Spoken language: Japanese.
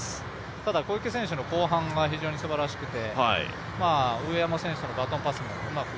ただ、小池選手の後半が非常にすばらしくて上山選手へのバトンパスもうまく。